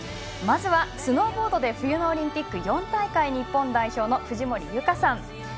まずはスノーボードで冬のオリンピック４大会日本代表の藤森由香さん。